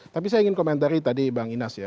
tapi saya ingin komentari tadi bang inas ya